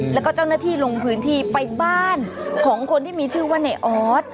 แล้วก็เจ้าหน้าที่ลงพื้นที่ไปบ้านของคนที่มีชื่อว่าในออส